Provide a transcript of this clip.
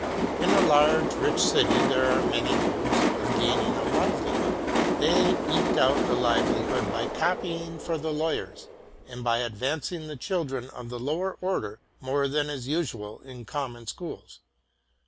In a large, rich city, there are many modes of gaining a livelihood. 'These eked out a living by copying for the lawyers, and by ad vancing the children of the lower order more than is usual in common schools.